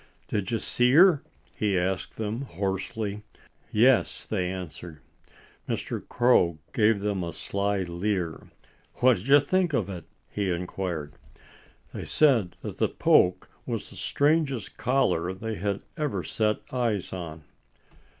"Did you see her?" he asked them hoarsely. "Yes!" they answered. Mr. Crow gave them a sly leer. "What do you think of it?" he inquired. They said that the poke was the strangest collar they had ever set eyes on.